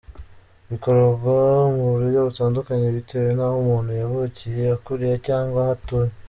Bikorwa mu buryo butandukanye bitewe n’aho umuntu yavukiye, yakuriye cyangwa aho atuye.